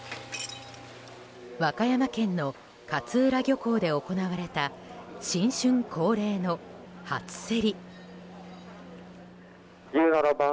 和歌山県の勝浦漁港で行われた新春恒例の初競り。